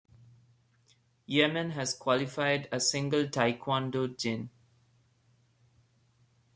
Yemen has qualified a single taekwondo jin.